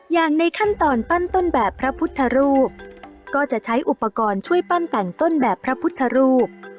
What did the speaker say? อย่างในขั้นตอนปั้นต้นแบบพระพุทธรูปก็จะใช้อุปกรณ์ช่วยปั้นแต่งต้นแบบพระพุทธรูป